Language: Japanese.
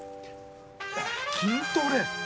筋トレ。